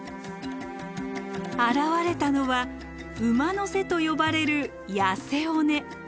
現れたのは「馬の背」と呼ばれる痩せ尾根。